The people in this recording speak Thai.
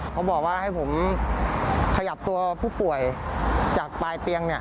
เขาบอกว่าให้ผมขยับตัวผู้ป่วยจากปลายเตียง